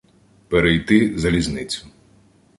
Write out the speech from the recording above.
перейти залізницю.